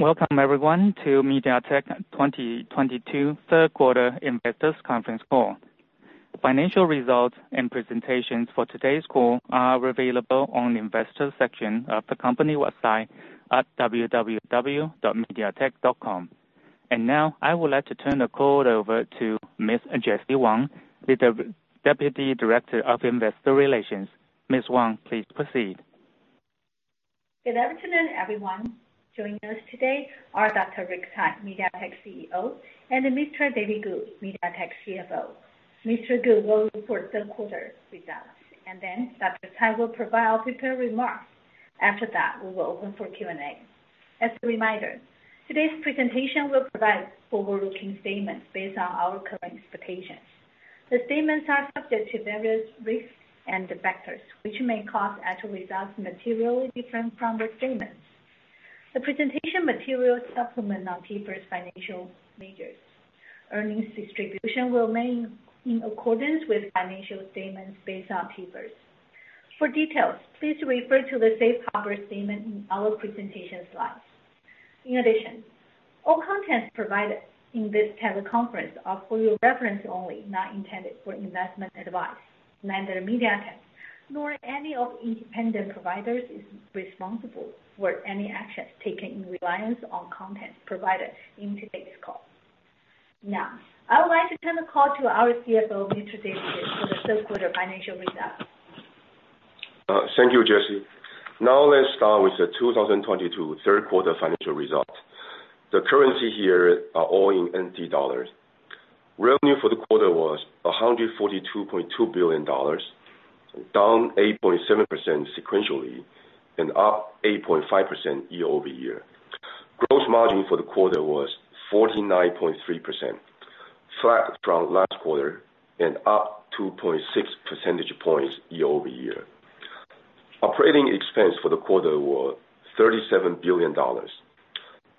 Welcome everyone to MediaTek 2022 Third Quarter Investors Conference Call. Financial results and presentations for today's call are available on the Investors section of the company website at www.mediatek.com. Now, I would like to turn the call over to Miss Jessie Wang, the Deputy Director of Investor Relations. Ms. Wang, please proceed. Good afternoon, everyone. Joining us today are Dr. Rick Tsai, MediaTek CEO, and Mr. David Ku, MediaTek CFO. Mr. Ku will report third quarter results, and then Dr. Tsai will provide prepared remarks. After that, we will open for Q&A. As a reminder, today's presentation will provide overarching statements based on our current expectations. The statements are subject to various risks and factors, which may cause actual results materially different from the statements. The presentation materials supplement non-IFRS financial measures. Earnings distribution will remain in accordance with financial statements based on IFRS. For details, please refer to the safe harbor statement in our presentation slides. In addition, all content provided in this teleconference are for your reference only, not intended for investment advice. Neither MediaTek nor any of independent providers is responsible for any actions taken in reliance on content provided in today's call. Now, I would like to turn the call to our CFO, Mr. David Ku, for the third quarter financial results. Thank you, Jessie. Now let's start with the 2022 third quarter financial results. The currency here are all in TWD. Revenue for the quarter was 142.2 billion dollars, down 8.7% sequentially, and up 8.5% YoY. Gross margin for the quarter was 49.3%, flat from last quarter and up 2.6 percentage points YoY. Operating expense for the quarter was 37 billion dollars,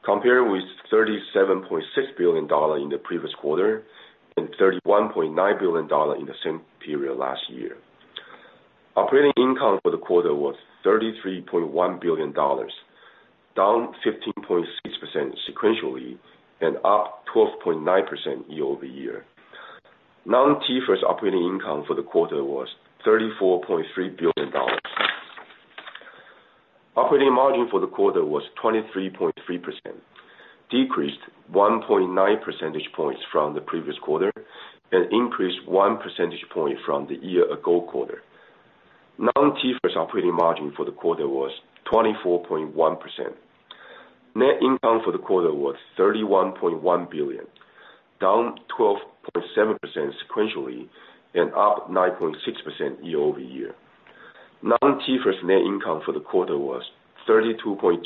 comparing with 37.6 billion dollars in the previous quarter and 31.9 billion dollars in the same period last year. Operating income for the quarter was 33.1 billion dollars, down 15.6% sequentially, and up 12.9% YoY. Non-IFRS operating income for the quarter was 34.3 billion dollars. Operating margin for the quarter was 23.3%, decreased 1.9 percentage points from the previous quarter, and increased one percentage point from the year-ago quarter. Non-IFRS operating margin for the quarter was 24.1%. Net income for the quarter was 31.1 billion, down 12.7% sequentially, and up 9.6% YoY. Non-IFRS net income for the quarter was 32.2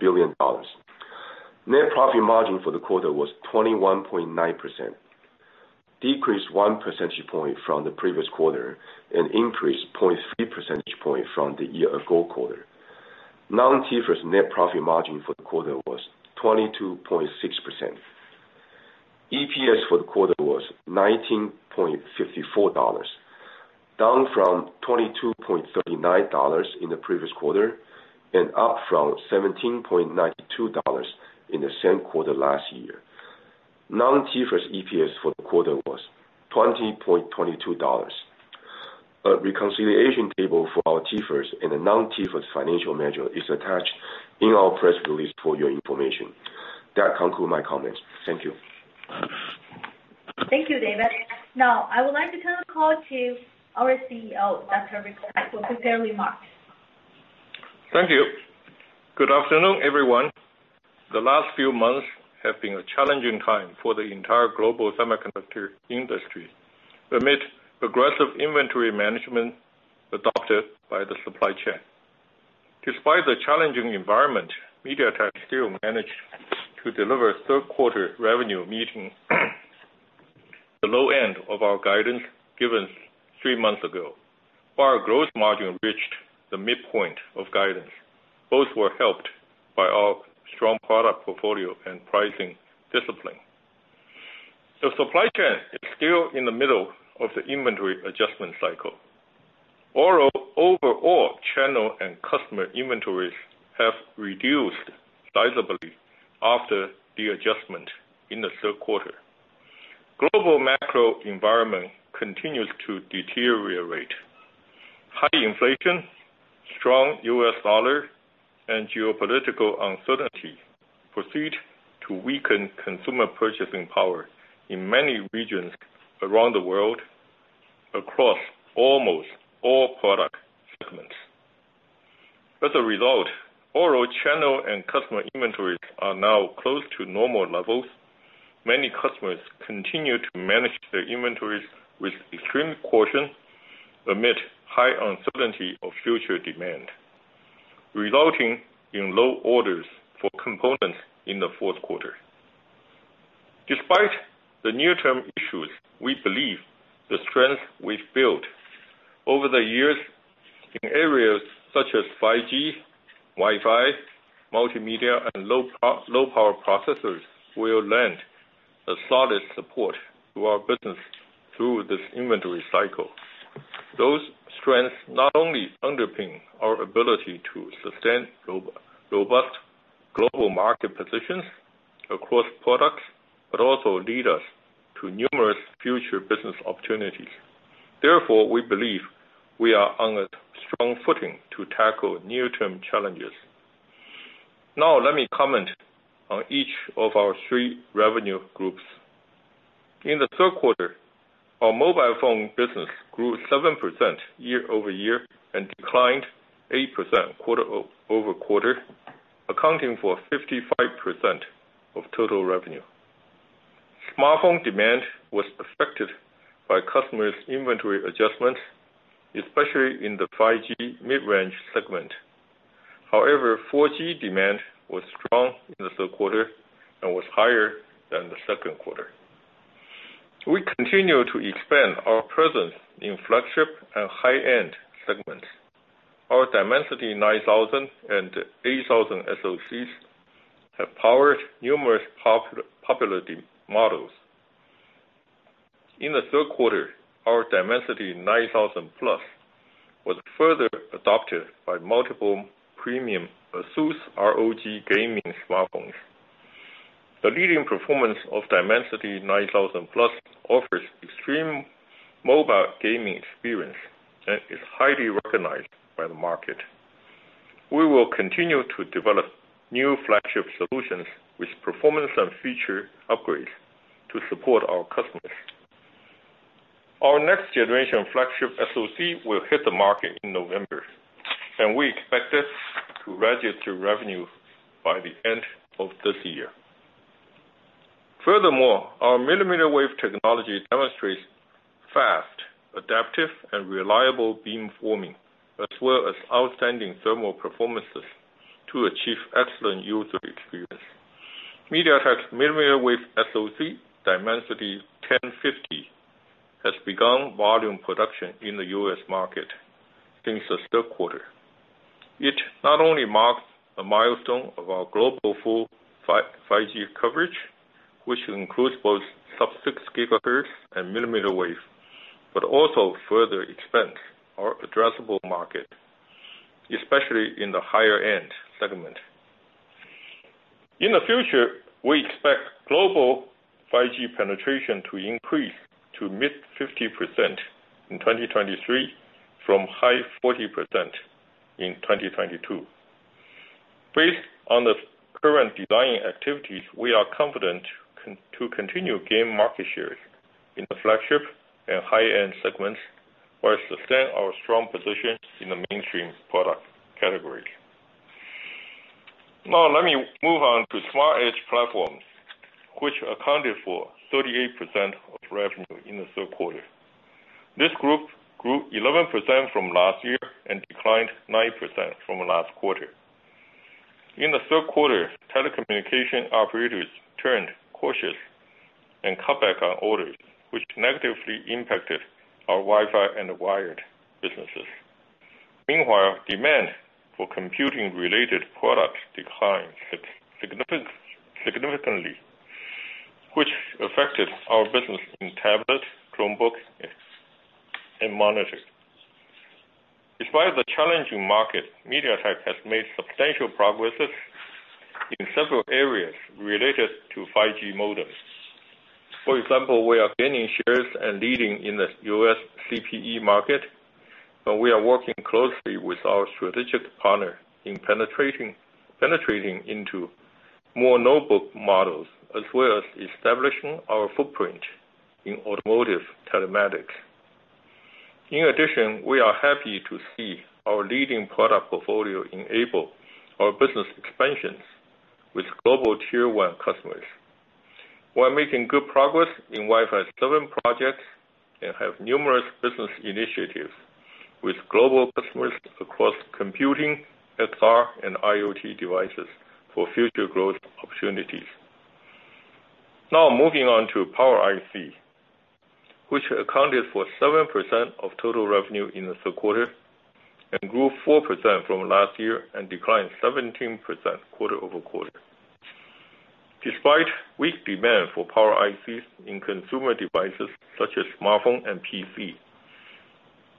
billion dollars. Net profit margin for the quarter was 21.9%, decreased 1 percentage point from the previous quarter, and increased 0.3 percentage point from the year-ago quarter. Non-IFRS net profit margin for the quarter was 22.6%. EPS for the quarter was TWD 19.54, down from TWD 22.39 in the previous quarter, and up from TWD 17.92 in the same quarter last year. Non-IFRS EPS for the quarter was $20.22. A reconciliation table for our IFRS and the non-IFRS financial measure is attached in our press release for your information. That concludes my comments. Thank you. Thank you, David. Now, I would like to turn the call to our CEO, Dr. Rick Tsai, for prepared remarks Thank you. Good afternoon, everyone. The last few months have been a challenging time for the entire global semiconductor industry amid aggressive inventory management adopted by the supply chain. Despite the challenging environment, MediaTek still managed to deliver third quarter revenue meeting the low end of our guidance given three months ago, while our gross margin reached the midpoint of guidance. Both were helped by our strong product portfolio and pricing discipline. The supply chain is still in the middle of the inventory adjustment cycle. Overall channel and customer inventories have reduced sizably after the adjustment in the third quarter. Global macro environment continues to deteriorate. High inflation, strong U.S. dollar, and geopolitical uncertainty proceed to weaken consumer purchasing power in many regions around the world across almost all product segments. As a result, overall channel and customer inventories are now close to normal levels. Many customers continue to manage their inventories with extreme caution amid high uncertainty of future demand, resulting in low orders for components in the fourth quarter. Despite the near-term issues, we believe the strength we've built over the years in areas such as 5G Wi-Fi, multimedia and low power processors will lend a solid support to our business through this inventory cycle. Those strengths not only underpin our ability to sustain robust global market positions across products, but also lead us to numerous future business opportunities. Therefore, we believe we are on a strong footing to tackle near-term challenges. Now let me comment on each of our three revenue groups. In the third quarter, our mobile phone business grew 7% YoY and declined 8% QoQ, accounting for 55% of total revenue. Smartphone demand was affected by customers' inventory adjustment, especially in the 5G mid-range segment. However, 4G demand was strong in the third quarter and was higher than the second quarter. We continue to expand our presence in flagship and high-end segments. Our Dimensity 9000 and 8000 SoCs have powered numerous popular models. In the third quarter, our Dimensity 9000+ was further adopted by multiple premium ASUS ROG gaming smartphones. The leading performance of Dimensity 9000+ offers extreme mobile gaming experience and is highly recognized by the market. We will continue to develop new flagship solutions with performance and feature upgrades to support our customers. Our next generation flagship SoC will hit the market in November, and we expect this to register revenue by the end of this year. Furthermore, our millimeter wave technology demonstrates fast, adaptive and reliable beam forming, as well as outstanding thermal performances to achieve excellent user experience. MediaTek's millimeter wave SoC, Dimensity 1050, has begun volume production in the U.S. market since the third quarter. It not only marks a milestone of our global full 5G coverage, which includes both sub-6 GHz and millimeter wave, but also further expands our addressable market, especially in the higher-end segment. In the future, we expect global 5G penetration to increase to mid-50% in 2023 from high 40% in 2022. Based on the current designing activities, we are confident to continue gain market shares in the flagship and high-end segments, while sustain our strong position in the mainstream product category. Now let me move on to smart edge platforms, which accounted for 38% of revenue in the third quarter. This group grew 11% from last year and declined 9% from last quarter. In the third quarter, telecommunication operators turned cautious and cut back on orders which negatively impacted our Wi-Fi and wired businesses. Meanwhile, demand for computing related products declined significantly, which affected our business in tablets, Chromebooks, and monitors. Despite the challenging market, MediaTek has made substantial progresses in several areas related to 5G modems. For example, we are gaining shares and leading in the US CPE market, and we are working closely with our strategic partner in penetrating into more notebook models, as well as establishing our footprint in automotive telematics. In addition, we are happy to see our leading product portfolio enable our business expansions with global Tier 1 customers. We're making good progress in Wi-Fi 7 projects and have numerous business initiatives with global customers across computing, XR and IoT devices for future growth opportunities. Now moving on to power IC, which accounted for 7% of total revenue in the third quarter and grew 4% from last year and declined 17% QoQ. Despite weak demand for power ICs in consumer devices such as smartphone and PC,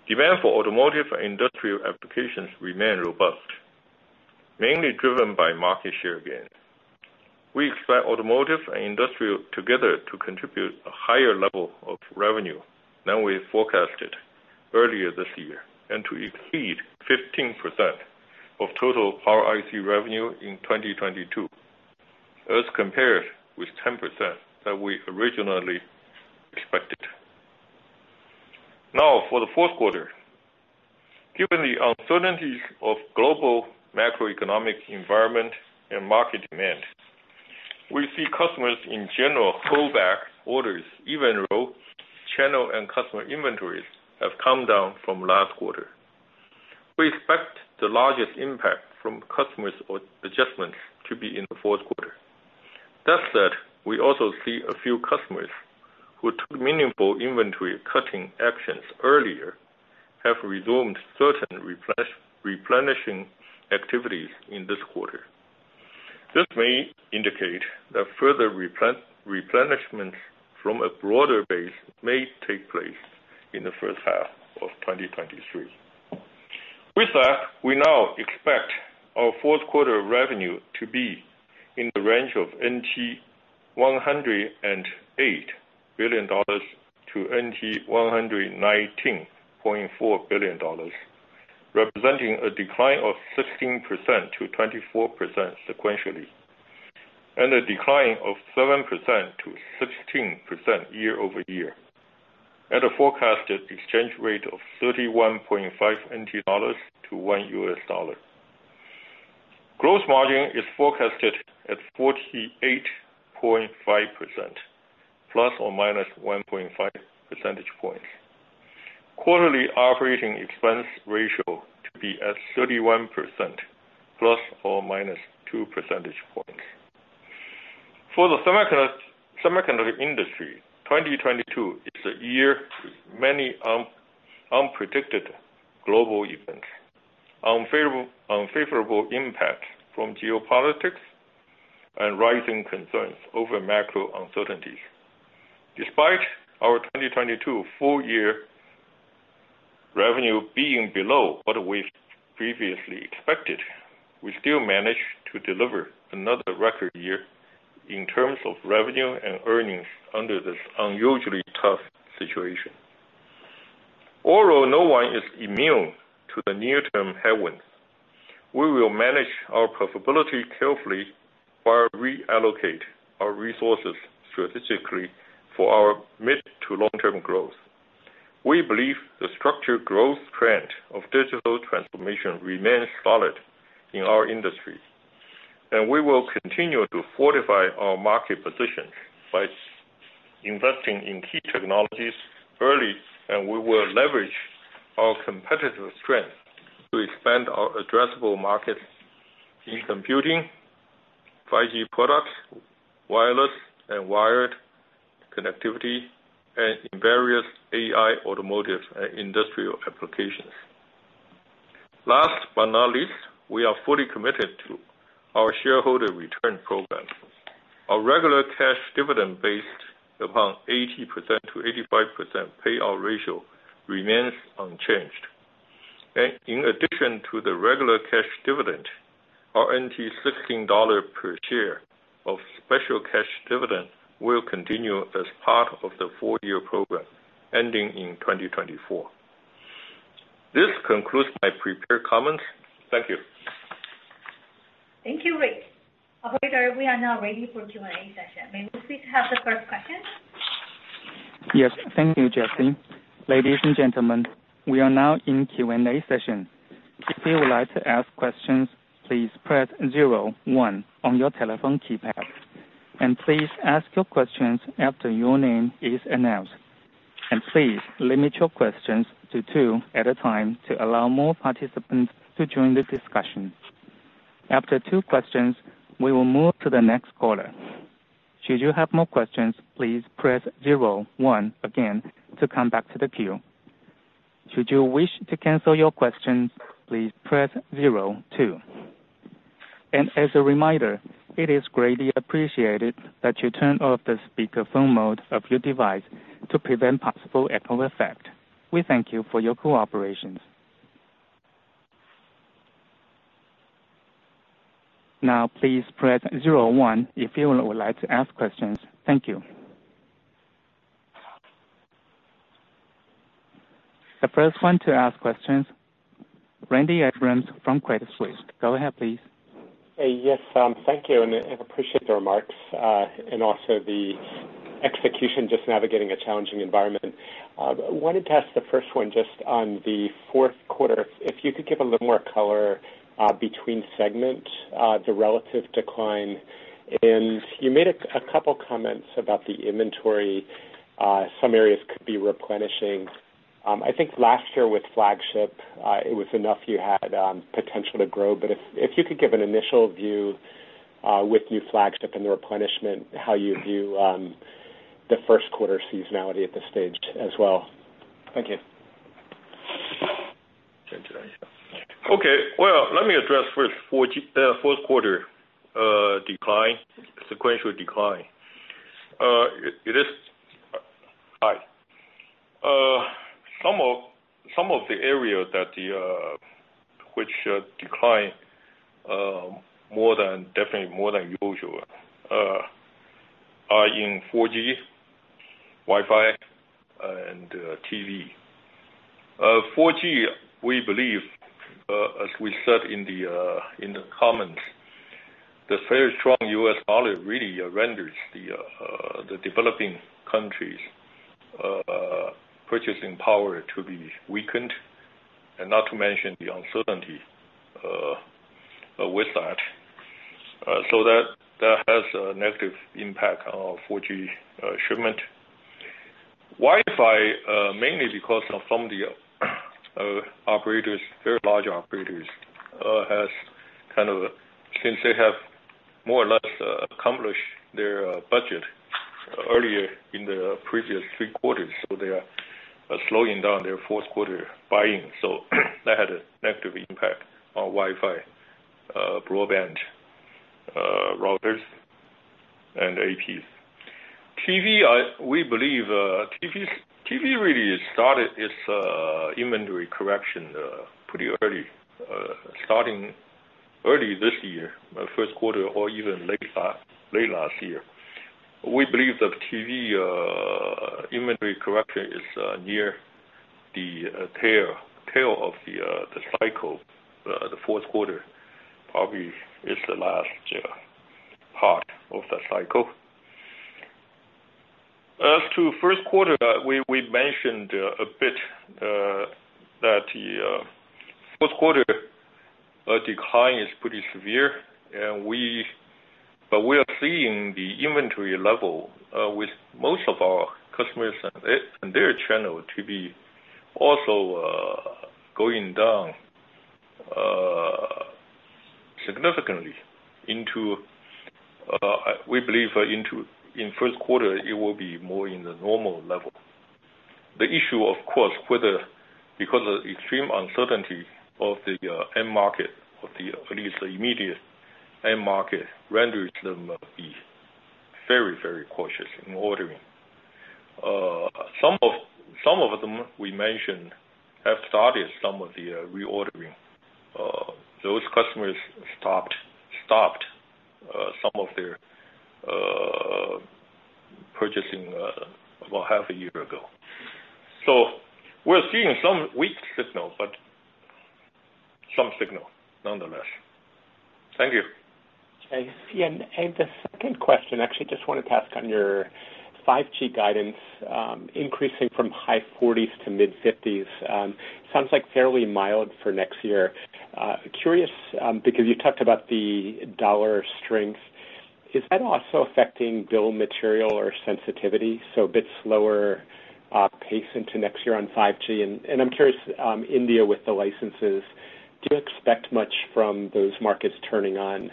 demand for automotive and industrial applications remain robust, mainly driven by market share gains. We expect automotive and industrial together to contribute a higher level of revenue than we forecasted earlier this year, and to exceed 15% of total power IC revenue in 2022 as compared with 10% that we originally expected. Now, for the fourth quarter. Given the uncertainties of global macroeconomic environment and market demand, we see customers in general pull back orders even though channel and customer inventories have come down from last quarter. We expect the largest impact from customers or adjustments to be in the fourth quarter. That said, we also see a few customers who took meaningful inventory cutting actions earlier, have resumed certain replenishing activities in this quarter. This may indicate that further replenishment from a broader base may take place in the first half of 2023. With that, we now expect our fourth quarter revenue to be in the range of 108 billion-119.4 billion dollars, representing a decline of 16%-24% sequentially, and a decline of 7%-16% YoY at a forecasted exchange rate of NT$31.5 to $1. Gross margin is forecasted at 48.5% ±1.5 percentage points. Quarterly operating expense ratio to be at 31% ±2 percentage points. For the semiconductor industry, 2022 is a year many unpredicted global events, unfavorable impact from geopolitics and rising concerns over macro uncertainties. Despite our 2022 full year revenue being below what we've previously expected, we still managed to deliver another record year in terms of revenue and earnings under this unusually tough situation. Although no one is immune to the near-term headwinds, we will manage our profitability carefully while reallocate our resources strategically for our mid to long-term growth. We believe the structured growth trend of digital transformation remains solid in our industry, and we will continue to fortify our market position by investing in key technologies early, and we will leverage our competitive strength to expand our addressable markets in computing, 5G products, wireless and wired connectivity, and in various AI, automotive, and industrial applications. Last but not least, we are fully committed to our shareholder return program. Our regular cash dividend based upon 80%-85% payout ratio remains unchanged. In addition to the regular cash dividend, our 16 NT dollars per share of special cash dividend will continue as part of the four-year program ending in 2024. This concludes my prepared comments. Thank you. Thank you, Rick. Operator, we are now ready for Q&A session. May we please have the first question? Yes. Thank you, Jessie. Ladies and gentlemen, we are now in Q&A session. If you would like to ask questions, please press zero one on your telephone keypad. Please ask your questions after your name is announced. Please limit your questions to two at a time to allow more participants to join the discussion. After two questions, we will move to the next caller. Should you have more questions, please press zero one again to come back to the queue. Should you wish to cancel your questions, please press zero two. As a reminder, it is greatly appreciated that you turn off the speakerphone mode of your device to prevent possible echo effect. We thank you for your cooperation. Now please press zero one if you would like to ask questions. Thank you. The first one to ask questions, Randy Abrams from Credit Suisse. Go ahead, please. Yes, thank you, and I appreciate the remarks, and also the execution, just navigating a challenging environment. Wanted to ask the first one just on the fourth quarter, if you could give a little more color between segments, the relative decline. You made a couple comments about the inventory, some areas could be replenishing. I think last year with flagship, you had potential to grow. If you could give an initial view with new flagship and the replenishment, how you view the first quarter seasonality at this stage as well. Thank you. Okay. Well, let me address first 4G fourth quarter decline, sequential decline. It is some of the areas that declined more than definitely more than usual are in 4G, Wi-Fi, and TV. 4G, we believe, as we said in the comments, the very strong U.S. dollar really renders the developing countries purchasing power to be weakened and not to mention the uncertainty with that. That has a negative impact on 4G shipment. Wi-Fi mainly because of some of the operators, very large operators, has kind of since they have more or less accomplished their budget earlier in the previous three quarters, so they are slowing down their fourth quarter buying. That had a negative impact on Wi-Fi broadband routers and APs. TV, we believe, TV really started its inventory correction pretty early, starting early this year, first quarter or even late last year. We believe that TV inventory correction is near the tail of the cycle. The fourth quarter probably is the last part of the cycle. As to first quarter, we mentioned a bit that the fourth quarter decline is pretty severe. We are seeing the inventory level with most of our customers and their channel to be also going down significantly. We believe in first quarter it will be more in the normal level. The issue of course whether because of extreme uncertainty of the end market or at least the immediate end market renders them be very cautious in ordering. Some of them we mentioned have started some of the reordering. Those customers stopped some of their purchasing about half a year ago. We're seeing some weak signals, but some signal nonetheless. Thank you. Okay. Yeah, and the second question, actually just wanted to ask on your 5G guidance, increasing from high 40s to mid-50s%, sounds like fairly mild for next year. Curious because you talked about the dollar strength, is that also affecting bill of materials or sensitivity, so a bit slower pace into next year on 5G? I'm curious, India with the licenses, do you expect much from those markets turning on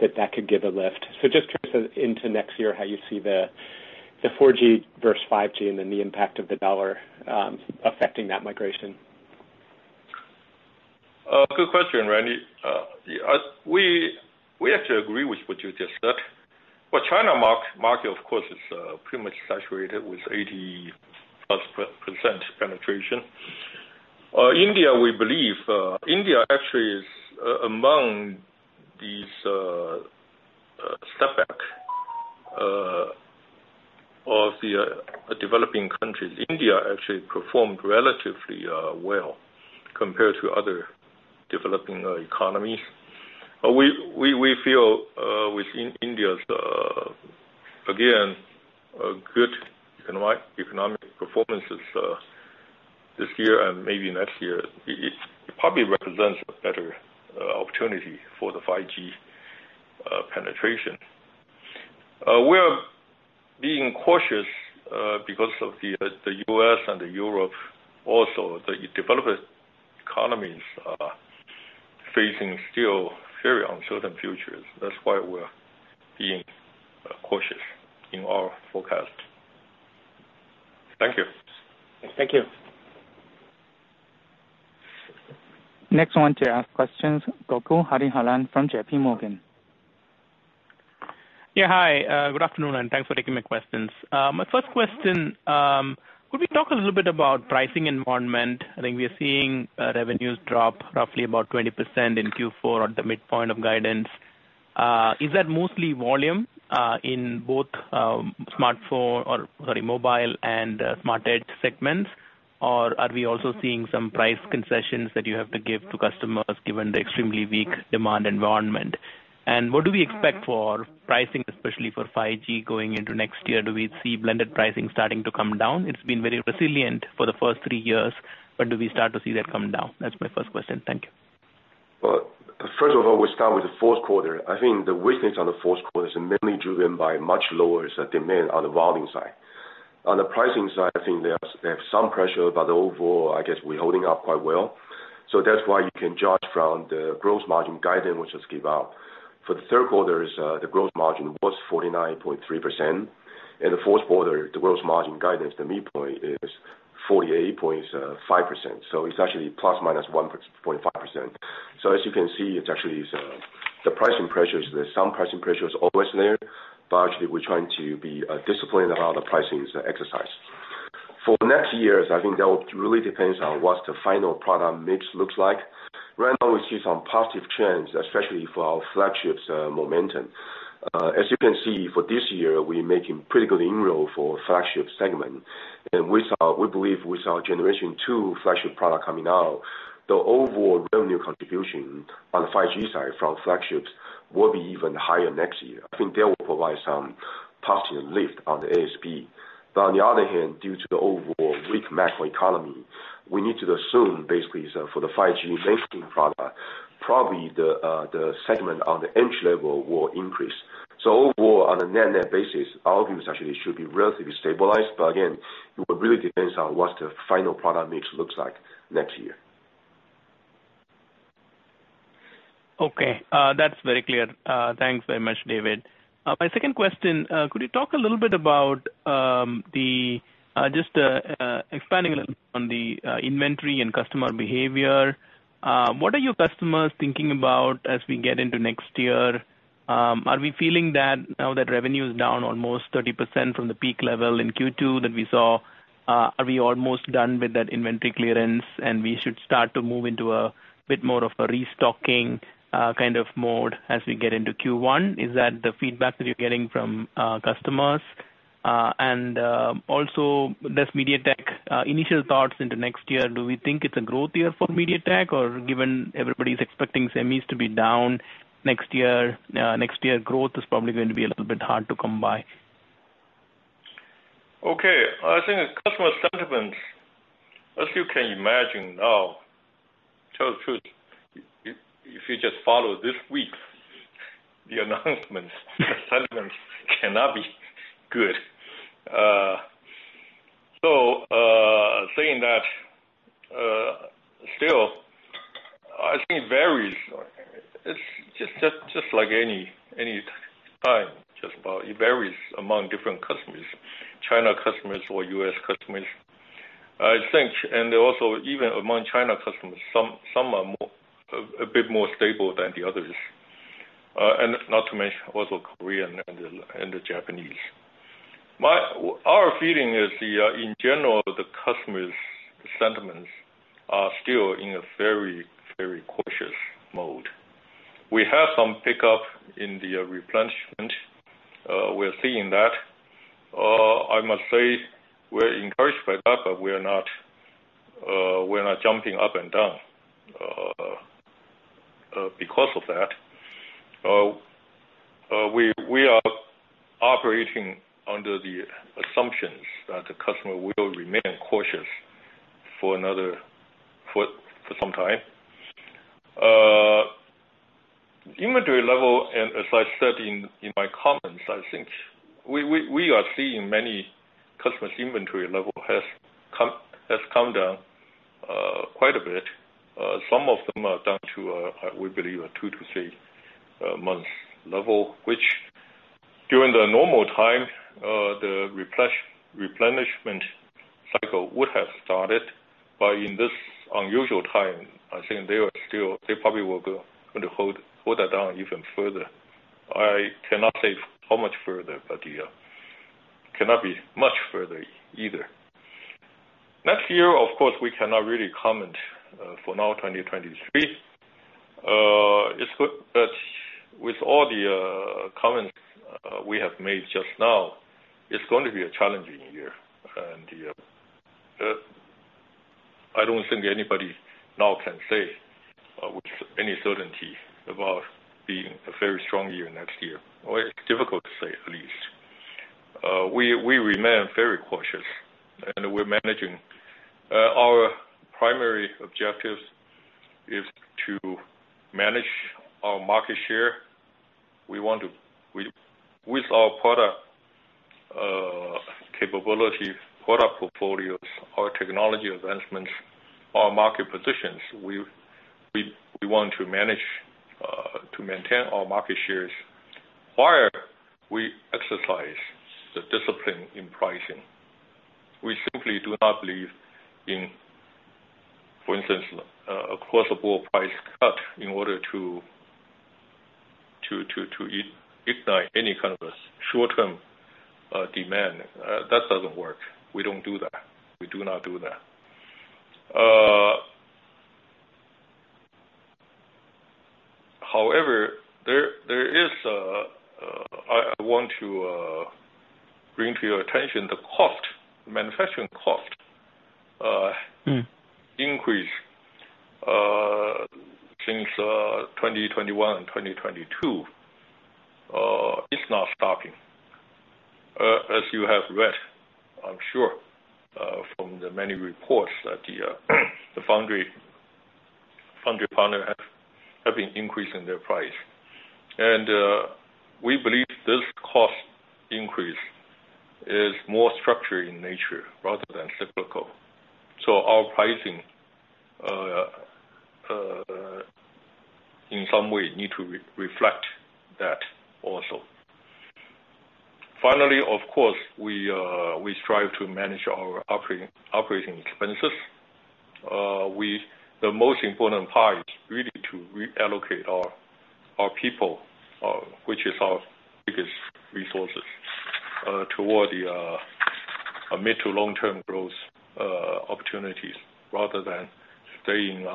that could give a lift. Just curious into next year how you see the 4G versus 5G and then the impact of the dollar affecting that migration. Good question, Randy. Yeah, we have to agree with what you just said. China market of course is pretty much saturated with 80%+ penetration. India, we believe, India actually is among these set of developing countries. India actually performed relatively well compared to other developing economies. We feel within India's again good economic performances this year and maybe next year, it probably represents a better opportunity for the 5G penetration. We are being cautious because of the U.S. and Europe also, the developing economies are facing still very uncertain futures. That's why we're being cautious in our forecast. Thank you. Thank you. Next one to ask questions, Gokul Hariharan from JPMorgan. Good afternoon, and thanks for taking my questions. My first question, could we talk a little bit about pricing environment? I think we are seeing revenues drop roughly about 20% in Q4 at the midpoint of guidance. Is that mostly volume in both mobile and smart edge segments? Or are we also seeing some price concessions that you have to give to customers given the extremely weak demand environment? What do we expect for pricing, especially for 5G going into next year? Do we see blended pricing starting to come down? It's been very resilient for the first three years, but do we start to see that come down? That's my first question. Thank you. Well, first of all, we'll start with the fourth quarter. I think the weakness on the fourth quarter is mainly driven by much lower demand on the volume side. On the pricing side, I think they have some pressure, but overall, I guess we're holding up quite well. That's why you can judge from the gross margin guidance, which is given out. For the third quarter, the gross margin was 49.3%. In the fourth quarter, the gross margin guidance, the midpoint is 48.5%. It's actually ±1.5%. As you can see, it's actually the pricing pressures. There's some pricing pressures always there, but actually we're trying to be disciplined around the pricing exercise. For next years, I think that will really depends on what the final product mix looks like. Right now, we see some positive trends, especially for our flagships momentum. As you can see for this year, we're making pretty good inroads for flagship segment. We believe with our generation two flagship product coming out, the overall revenue contribution on the 5G side from flagships will be even higher next year. I think that will provide some positive lift on the ASP. On the other hand, due to the overall weak macroeconomy, we need to assume basic ASP for the 5G mainstream product, probably the entry-level segment will increase. Overall on a net net basis, our views actually should be relatively stabilized. Again, it would really depends on what the final product mix looks like next year. Okay. That's very clear. Thanks very much, David. My second question, could you talk a little bit about just expanding a little on the inventory and customer behavior? What are your customers thinking about as we get into next year? Are we feeling that now that revenue is down almost 30% from the peak level in Q2 that we saw, are we almost done with that inventory clearance, and we should start to move into a bit more of a restocking kind of mode as we get into Q1? Is that the feedback that you're getting from customers? Initial thoughts into next year, do we think it's a growth year for MediaTek or given everybody's expecting semis to be down next year, next year growth is probably going to be a little bit hard to come by. Okay. I think customers' sentiments, as you can imagine now, to tell the truth, if you just follow this week, the announcements, sentiment cannot be good. Saying that, still I think it varies. It's just like any time, it varies among different customers, China customers or U.S. customers. I think, and also even among China customers, some are a bit more stable than the others. Not to mention also Korean and the Japanese. Our feeling is, in general, the customers' sentiments are still in a very cautious mode. We have some pickup in the replenishment. We're seeing that. I must say we're encouraged by that, but we're not jumping up and down because of that. We are operating under the assumptions that the customer will remain cautious for some time. Inventory level, and as I said in my comments, I think we are seeing many customers inventory level has come down quite a bit. Some of them are down to, we believe a two-three months level, which during the normal time, the replenishment cycle would have started. In this unusual time, I think they are still gonna hold that down even further. I cannot say how much further, but cannot be much further either. Next year, of course, we cannot really comment for now 2023. It's good, but with all the comments we have made just now, it's going to be a challenging year. I don't think anybody now can say with any certainty about being a very strong year next year, or it's difficult to say at least. We remain very cautious, and we're managing. Our primary objectives is to manage our market share. With our product capabilities, product portfolios, our technology advancements, our market positions, we want to manage to maintain our market shares while we exercise the discipline in pricing. We simply do not believe in, for instance, across-the-board price cut in order to ignite any kind of a short-term demand. That doesn't work. We don't do that. We do not do that. However, I want to bring to your attention the manufacturing cost Mm. -increase since 2021 and 2022. It's not stopping. As you have read, I'm sure, from the many reports that the foundry partner have been increasing their price. We believe this cost increase is more structured in nature rather than cyclical. Our pricing in some way need to reflect that also. Finally, of course, we strive to manage our operating expenses. The most important part is really to reallocate our people, which is our biggest resources, toward the mid to long-term growth opportunities rather than staying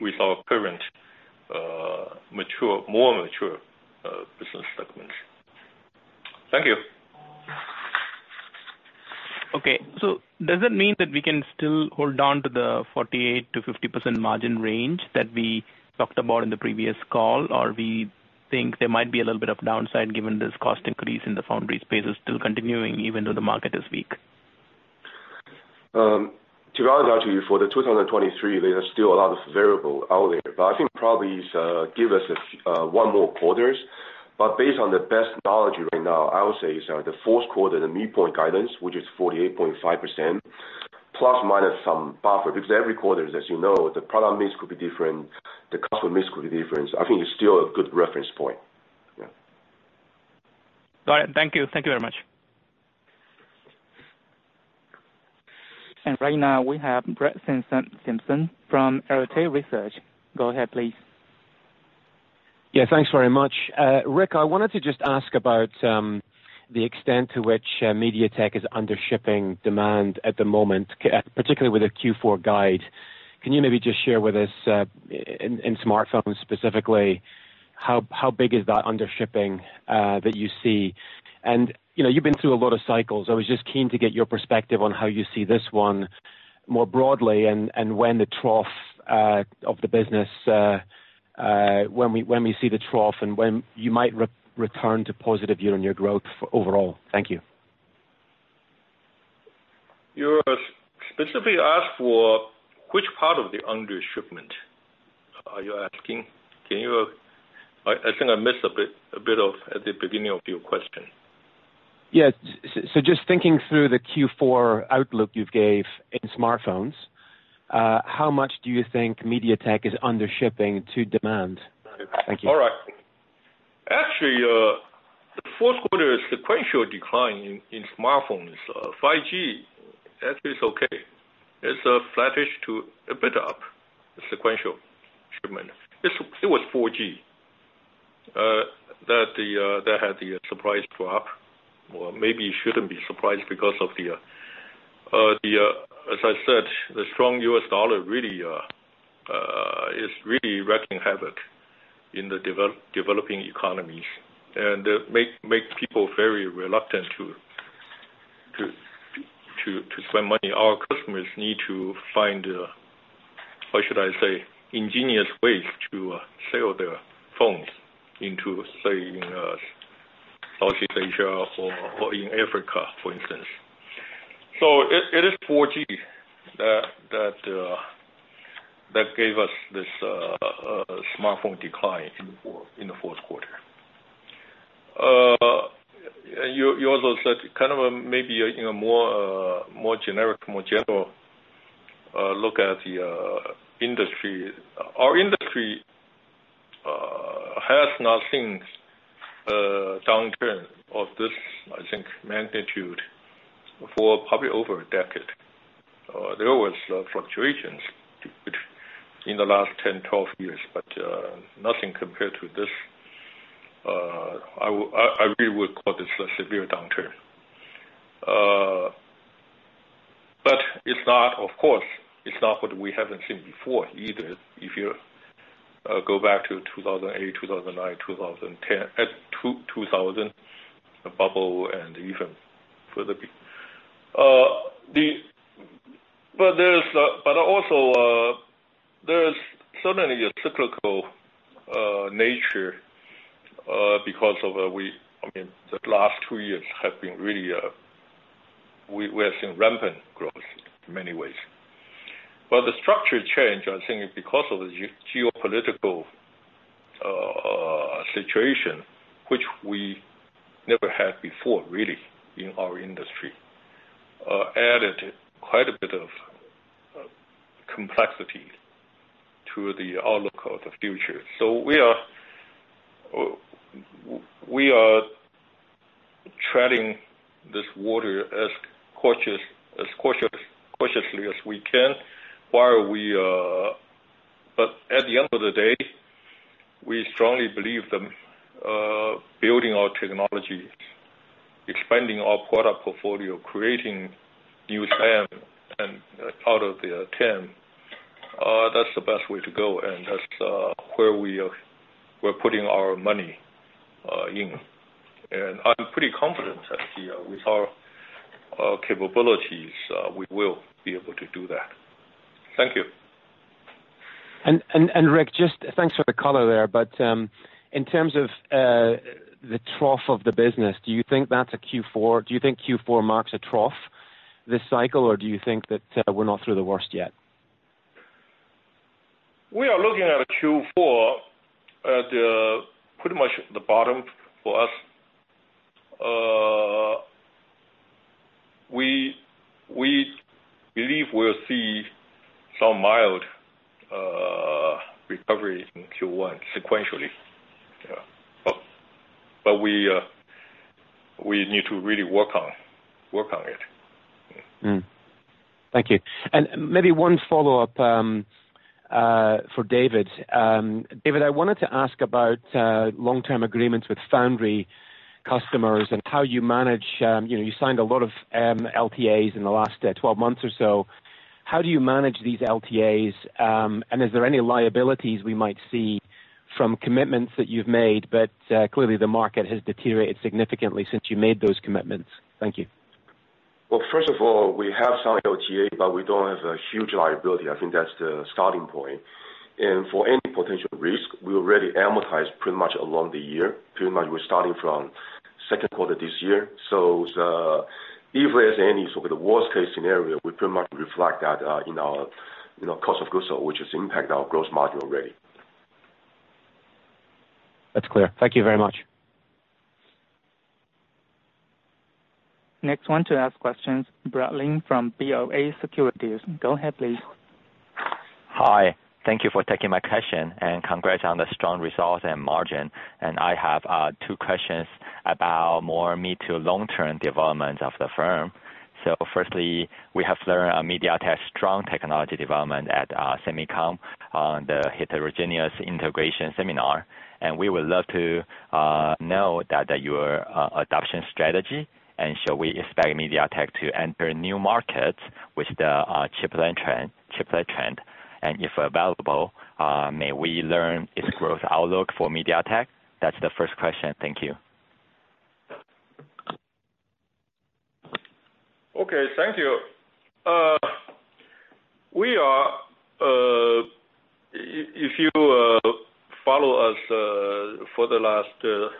with our current mature, more mature business segments. Thank you. Okay. Does that mean that we can still hold on to the 48%-50% margin range that we talked about in the previous call? Or we think there might be a little bit of downside given this cost increase in the foundry space is still continuing even though the market is weak? To be honest actually, for 2023, there are still a lot of variables out there. I think probably is give us one more quarter. Based on the best knowledge right now, I would say it's the fourth quarter, the midpoint guidance, which is 48.5%± some buffer. Because every quarter, as you know, the product mix could be different, the customer mix could be different. I think it's still a good reference point. Yeah. Got it. Thank you. Thank you very much. Right now we have Brett Simpson from Arete Research. Go ahead, please. Yeah, thanks very much. Rick, I wanted to just ask about the extent to which MediaTek is undershipping demand at the moment, particularly with the Q4 guide. Can you maybe just share with us in smartphones specifically, how big is that undershipping that you see? You know, you've been through a lot of cycles. I was just keen to get your perspective on how you see this one more broadly and when the trough of the business, when we see the trough and when you might return to positive year-on-year growth for overall. Thank you. You're specifically asking for which part of the under shipment are you asking? I think I missed a bit of at the beginning of your question. Just thinking through the Q4 outlook you've gave in smartphones, how much do you think MediaTek is undershipping to demand? Thank you. All right. Actually, the fourth quarter sequential decline in smartphones, 5G actually is okay. It's a flattish to a bit up sequential shipment. It was 4G that had the surprise drop. Maybe it shouldn't be surprised because of the, as I said, the strong US dollar really is wreaking havoc in the developing economies and makes people very reluctant to spend money. Our customers need to find, what should I say? Ingenious ways to sell their phones into, say, in Southeast Asia or in Africa, for instance. It is 4G that gave us this smartphone decline in the fourth quarter. You also said kind of a maybe, you know, more generic, more general look at the industry. Our industry has not seen a downturn of this, I think, magnitude for probably over a decade. There was fluctuations in the last 10, 12 years, but nothing compared to this. I really would call this a severe downturn. It's not, of course, it's not what we haven't seen before either. If you go back to 2008, 2009, 2010, 2000, a bubble and even further. There is certainly a cyclical nature because of we. I mean, the last two years have been really, we have seen rampant growth in many ways. The structural change, I think because of the geopolitical situation which we never had before really in our industry, added quite a bit of complexity to the outlook of the future. We are treading water as cautiously as we can while we. At the end of the day, we strongly believe that, building our technology, expanding our product portfolio, creating new TAM and out of the TAM, that's the best way to go, and that's where we are, we're putting our money in. I'm pretty confident that, you know, with our capabilities, we will be able to do that. Thank you. Rick, just thanks for the color there, but in terms of the trough of the business, do you think that's a Q4? Do you think Q4 marks a trough this cycle, or do you think that we're not through the worst yet? We are looking at a Q4 at pretty much the bottom for us. We believe we'll see some mild recovery in Q1 sequentially. Yeah. We need to really work on it. Thank you. Maybe one follow-up for David. David, I wanted to ask about long-term agreements with Foundry customers and how you manage, you know, you signed a lot of LTAs in the last 12 months or so. How do you manage these LTAs? And is there any liabilities we might see from commitments that you've made, but clearly the market has deteriorated significantly since you made those commitments? Thank you. Well, first of all, we have some LTAs, but we don't have a huge liability. I think that's the starting point. For any potential risk, we already amortize pretty much along the year, pretty much we're starting from. Second quarter this year. If there's any sort of the worst case scenario, we pretty much reflect that in our, you know, cost of goods sold, which has impacted our gross margin already. That's clear. Thank you very much. Next one to ask questions, Brad Lin from BofA Securities. Go ahead please. Hi. Thank you for taking my question, and congrats on the strong results and margin. I have two questions about more mid to long-term developments of the firm. Firstly, we have learned MediaTek's strong technology development at SEMICON on the heterogeneous integration seminar, and we would love to know that your adoption strategy, and shall we expect MediaTek to enter new markets with the chiplet trend? If available, may we learn its growth outlook for MediaTek? That's the first question. Thank you. Okay, thank you. If you follow us for the last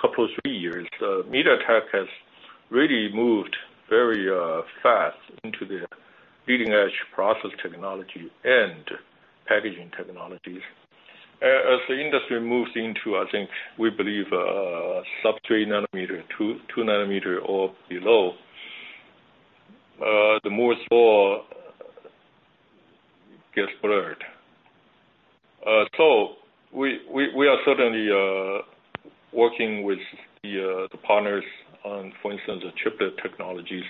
couple of three years, MediaTek has really moved very fast into the leading-edge process technology and packaging technologies. As the industry moves into, I think, we believe, sub-3 nanometer, 2 nanometer or below, the more so gets blurred. We are certainly working with the partners on, for instance, the chiplet technologies,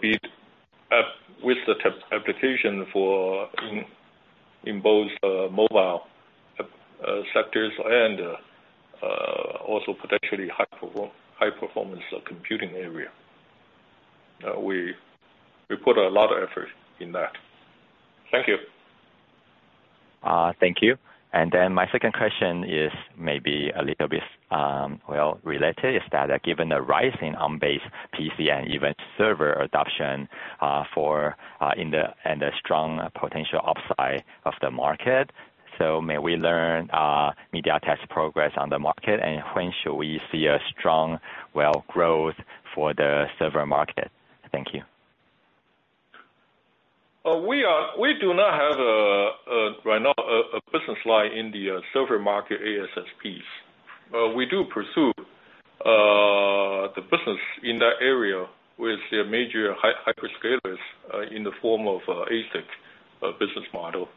be it with the tech application for in both mobile sectors and also potentially high performance computing area. We put a lot of effort in that. Thank you. Thank you. My second question is maybe a little bit, well, related, is that given the rising Arm-based PC and even server adoption, and the strong potential upside of the market, may we learn MediaTek's progress on the market, and when should we see a strong growth for the server market? Thank you. We do not have, right now, a business line in the server market ASSPs. We do pursue the business in that area with the major hyperscalers in the form of ASIC business model.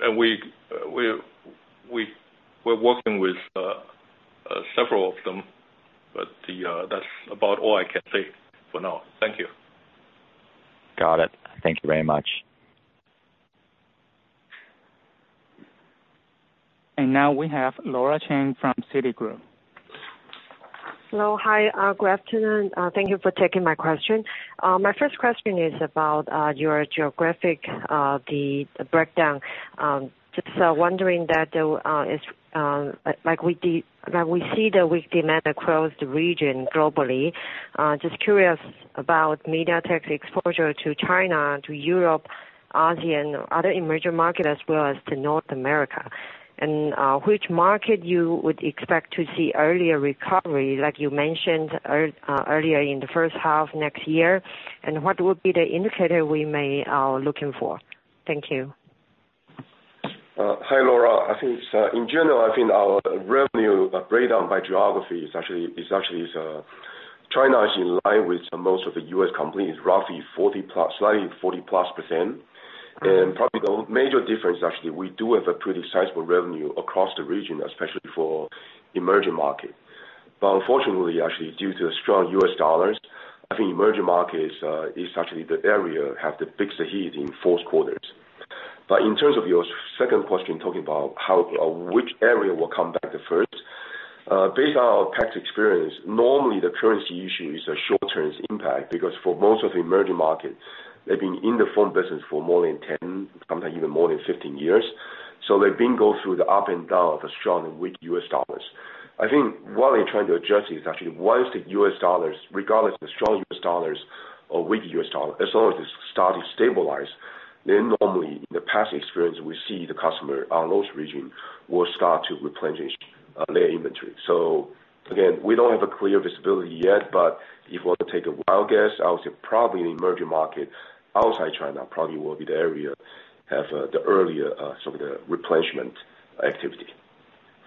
We're working with several of them, but that's about all I can say for now. Thank you. Got it. Thank you very much. Now we have Laura Chen from Citigroup. Hello. Hi. Good afternoon. Thank you for taking my question. My first question is about your geographic the breakdown. Just wondering that is like we see the weak demand across the region globally. Just curious about MediaTek's exposure to China, to Europe, ASEAN, other emerging market as well as to North America. Which market you would expect to see earlier recovery, like you mentioned earlier in the first half next year. What would be the indicator we may looking for? Thank you. Hi, Laura. I think, in general, I think our revenue breakdown by geography is actually China is in line with most of the U.S. companies, roughly 40%+, slightly 40%+. Probably the major difference actually, we do have a pretty sizable revenue across the region, especially for emerging market. Unfortunately, actually, due to the strong US dollars, I think emerging markets is actually the area have the biggest hit in fourth quarters. In terms of your second question, talking about how or which area will come back the first, based on our past experience, normally the currency issue is a short-term impact because for most of the emerging markets, they've been in the phone business for more than 10, sometimes even more than 15 years. They've been going through the ups and downs of the strong and weak U.S. dollars. I think what they're trying to adjust is actually once the U.S. dollars, regardless the strong U.S. dollars or weak U.S. dollar, as long as it starts to stabilize, then normally from past experience we see the customers in those regions will start to replenish their inventory. Again, we don't have a clear visibility yet, but if we were to take a wild guess, I would say probably the emerging market outside China probably will be the area to have the earliest some of the replenishment activity.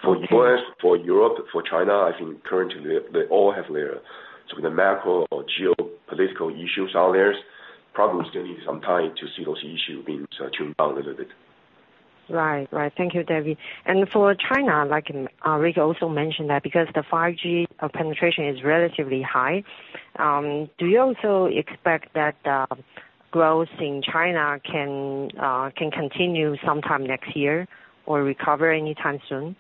For U.S., for Europe, for China, I think currently they all have their sort of the macro or geopolitical issues out there. Probably we still need some time to see those issues being toned down a little bit. Right. Thank you, David. For China, like, Rick also mentioned that because the 5G penetration is relatively high, do you also expect that growth in China can continue sometime next year or recover anytime soon?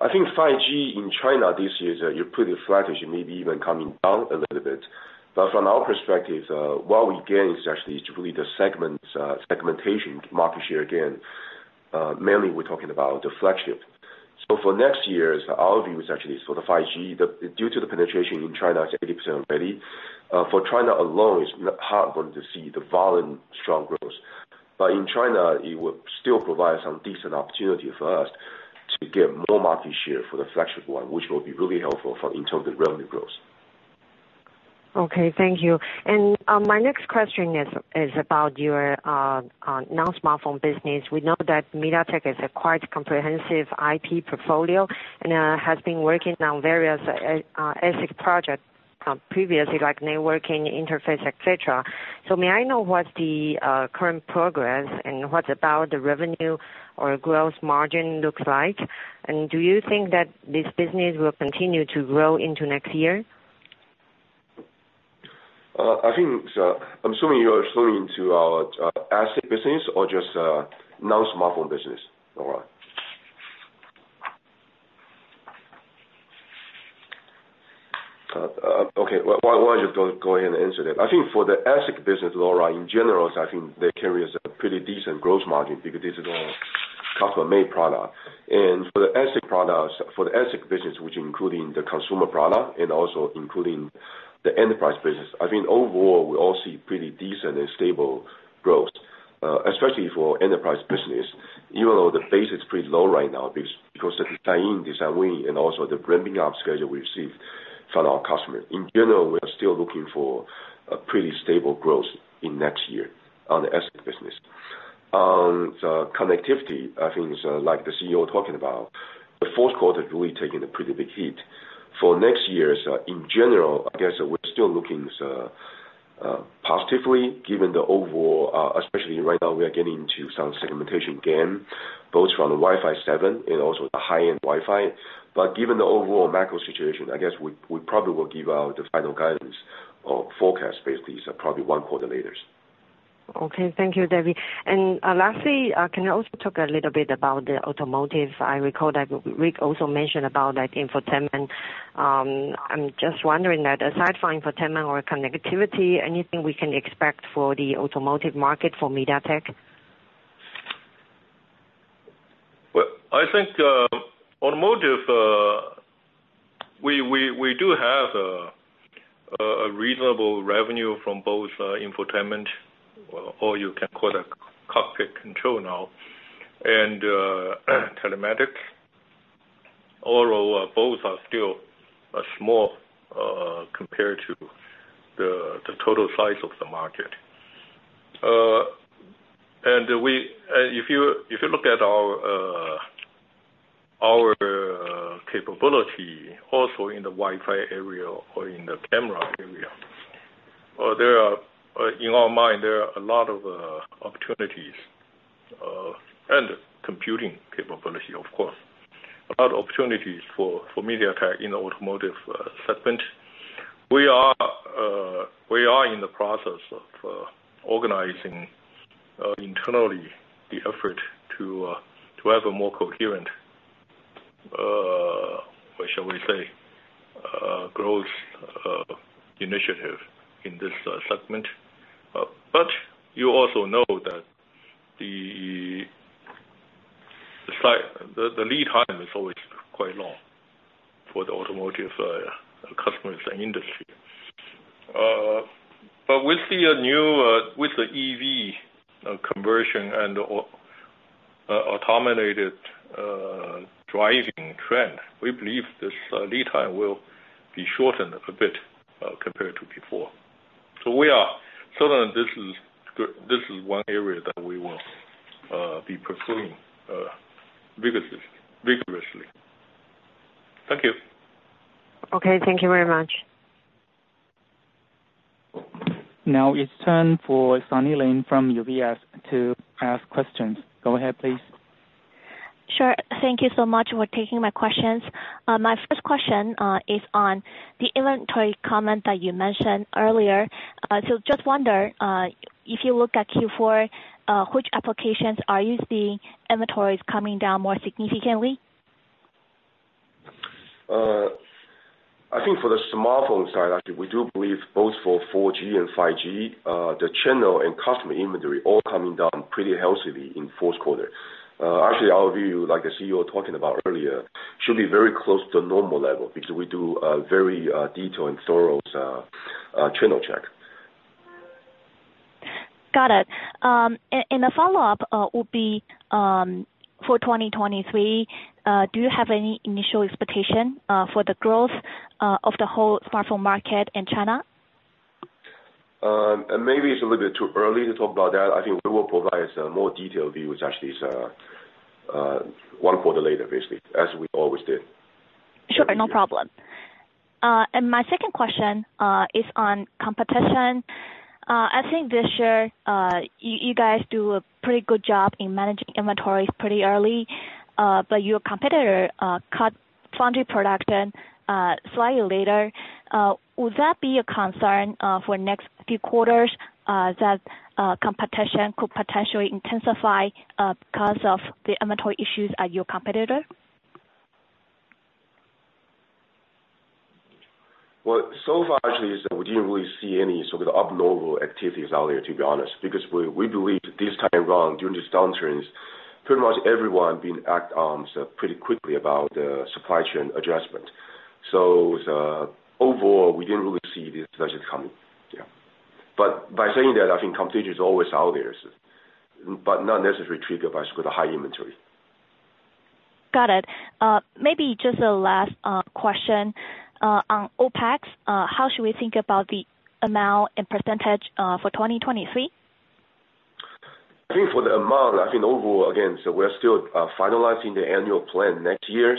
I think 5G in China this year is pretty flattish, maybe even coming down a little bit. From our perspective, what we gain is actually to build the segments, segmentation market share again, mainly we're talking about the flagship. For next year's, our view is actually sort of 5G, due to the penetration in China, it's at 80% already. For China alone, it's not hard for them to see the volume strong growth. In China, it will still provide some decent opportunity for us to get more market share for the flexible one, which will be really helpful for in terms of revenue growth. Okay. Thank you. My next question is about your non-smartphone business. We know that MediaTek has a quite comprehensive IP portfolio and has been working on various ASIC project previously, like networking, interface, et cetera. May I know what the current progress and what about the revenue or growth margin looks like? Do you think that this business will continue to grow into next year? I think, I'm assuming you're referring to our ASIC business or just non-smartphone business, Laura. Okay. Well, why don't just go ahead and answer that. I think for the ASIC business, Laura, in general, I think they carry a pretty decent gross margin because this is all custom-made product. For the ASIC products, for the ASIC business, which includes the consumer product and also includes the enterprise business, I think overall, we all see pretty decent and stable growth, especially for enterprise business, even though the base is pretty low right now because of the design win, the Wei-Sheng, and also the ramping up schedule we received from our customer. In general, we are still looking for a pretty stable growth next year on the ASIC business. On the connectivity, I think it's like the CEO talking about the fourth quarter really taking a pretty big hit. For next year, in general, I guess we're still looking so positively given the overall, especially right now we are getting into some segmentation gain, both from the Wi-Fi 7 and also the high-end Wi-Fi. Given the overall macro situation, I guess we probably will give out the final guidance or forecast base case probably one quarter later. Okay. Thank you, David. Lastly, can you also talk a little bit about the automotive? I recall that Rick also mentioned about that infotainment. I'm just wondering that aside from infotainment or connectivity, anything we can expect for the automotive market for MediaTek? Well, I think, automotive, we do have a reasonable revenue from both, infotainment or you can call it cockpit control now and, telematics, although both are still small, compared to the total size of the market. If you look at our capability also in the Wi-Fi area or in the camera area, there are, in our mind, a lot of opportunities, and computing capability, of course. A lot of opportunities for MediaTek in the automotive segment. We are in the process of organizing internally the effort to have a more coherent, what shall we say, growth initiative in this segment. You also know that the lead time is always quite long for the automotive customers and industry. We see a new with the EV conversion and automated driving trend. We believe this lead time will be shortened a bit, compared to before. We are certain this is one area that we will be pursuing vigorously. Thank you. Okay, thank you very much. Now it's turn for Sunny Lin from UBS to ask questions. Go ahead, please. Sure. Thank you so much for taking my questions. My first question is on the inventory comment that you mentioned earlier. Just wonder, if you look at Q4, which applications are you seeing inventories coming down more significantly? I think for the smartphone side, actually, we do believe both for 4G and 5G, the channel and customer inventory all coming down pretty healthily in fourth quarter. Actually our view, like the CEO talking about earlier, should be very close to normal level because we do a very detailed and thorough channel check. Got it. A follow-up would be for 2023, do you have any initial expectation for the growth of the whole smartphone market in China? Maybe it's a little bit too early to talk about that. I think we will provide some more detailed views actually, so, one quarter later, basically, as we always did. Sure. No problem. My second question is on competition. I think this year, you guys do a pretty good job in managing inventories pretty early. Your competitor cut foundry production slightly later. Would that be a concern for next few quarters that competition could potentially intensify because of the inventory issues at your competitor? Well, so far, actually, we didn't really see any sort of abnormal activities out there, to be honest, because we believe this time around, during this downturn, pretty much everyone has been acting on pretty quickly about the supply chain adjustment. Overall, we didn't really see this adjustment coming. Yeah. By saying that, I think competition is always out there, so. Not necessarily triggered by sort of high inventory. Got it. Maybe just a last question on OpEX. How should we think about the amount and percentage for 2023? I think for the amount, I think overall, again, we are still finalizing the annual plan next year.